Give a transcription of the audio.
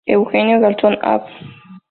Eugenio Garzón, Av.